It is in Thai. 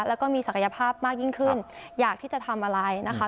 แล้วก็มีศักยภาพมากยิ่งขึ้นอยากที่จะทำอะไรนะคะ